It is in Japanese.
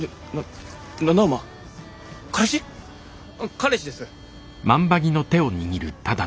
彼氏です。